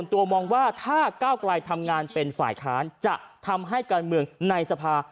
ตัวมองว่าถ้าก้าวไกลทำงานเป็นฝ่ายค้านจะทำให้การเมืองในสภา